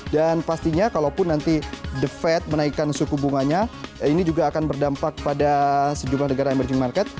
dan pastinya kalau pun nanti the fed menaikkan suku bunganya ini juga akan berdampak pada sejumlah negara emerging market